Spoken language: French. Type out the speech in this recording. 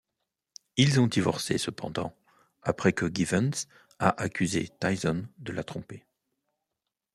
Ils ont divorcé, cependant, après que Givens a accusé Tyson de la tromper.